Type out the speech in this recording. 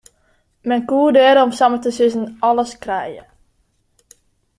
Men koe der om samar te sizzen alles krije.